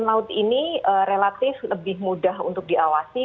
udara dan laut ini relatif lebih mudah untuk diawasan